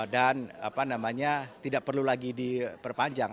dan tidak perlu lagi diperpanjang